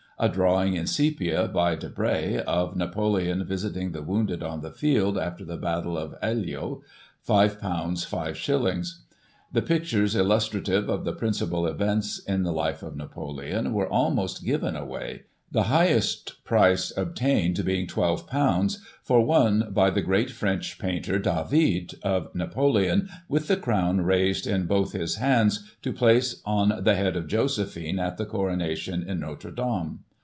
A drawing in sepia, by Debret, of Napoleon visiting the woimded on the field, after the battle of Eylau, £c, 5 s. The pictures illustrative of the principal events in the life of Napoleon, were almost given away; the highest price obtained, being ;£"i2 for one by the great French painter David, of Napoleon, with the crown raised in both his hands, to place on the head of Josephine, at the Coronation in Notre Dame.